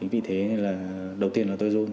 vì thế là đầu tiên là tôi rui